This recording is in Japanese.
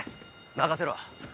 任せろ。